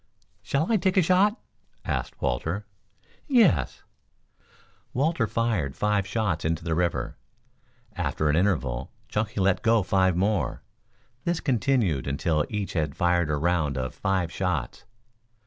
"Shall I take a shot?" asked Walter. "Yes." Walter fired five shots into the river. After an interval Chunky let go five more. This continued until each had fired a round of five shots.